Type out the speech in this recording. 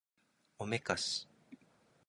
おめかし